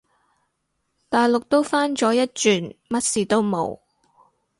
大陸都返咗一轉，乜事都冇